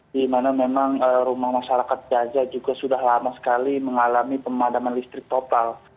di mana memang rumah masyarakat gaza juga sudah lama sekali mengalami pemadaman listrik total